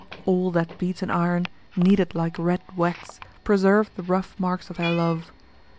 All that beaten iron, kneaded like red wax, preserved the rough marks of their love.